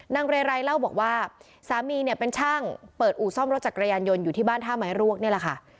เรไรเล่าบอกว่าสามีเนี่ยเป็นช่างเปิดอู่ซ่อมรถจักรยานยนต์อยู่ที่บ้านท่าไม้รวกนี่แหละค่ะ